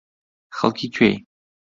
خەڵکی کوێی؟